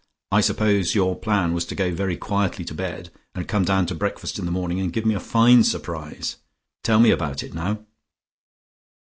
I suppose your plan was to go very quietly to bed, and come down to breakfast in the morning, and give me a fine surprise. Tell me about it now."